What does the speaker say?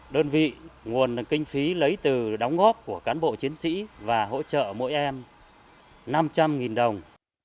đơn vị nguồn kinh phí lấy từ đóng góp của cán bộ chiến sĩ và hỗ trợ mỗi em năm trăm linh đồng